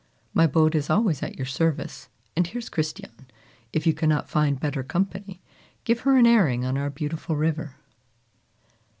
My boat is always at your service, and here's Christiane if you cannot find better company give her an airing on our beautiful river."